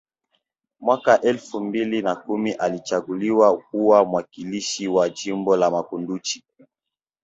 Mwaka elfu mbili na kumi alichaguliwa kuwa mwakilishi wa jimbo la Makunduchi